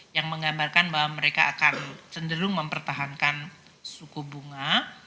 yang menggambarkan bahwa mereka akan cenderung mempertahankan suku bunga